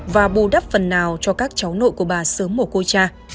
ông hưu đắp phần nào cho các cháu nội của bà sớm một cô cha